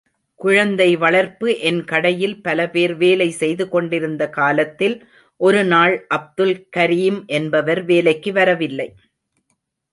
குழந்தை வளர்ப்பு என் கடையில் பலபேர் வேலை செய்துகொண்டிருந்த காலத்தில், ஒருநாள் அப்துல் கரீம் என்பவர் வேலைக்கு வரவில்லை.